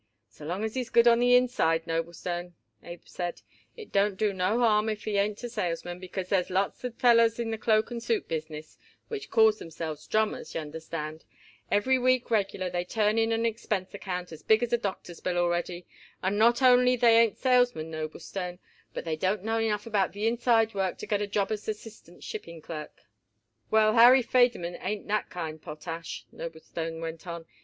"So long as he's good on the inside, Noblestone," Abe said, "it don't do no harm if he ain't a salesman, because there's lots of fellers in the cloak and suit business which calls themselves drummers, y'understand Every week regular they turn in an expense account as big as a doctor's bill already, and not only they ain't salesmen, Noblestone, but they don't know enough about the inside work to get a job as assistant shipping clerk." "Well, Harry Federmann ain't that kind, Potash," Noblestone went on.